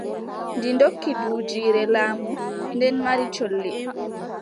Ɗi ndokki duujiire laamu, nden mari colli.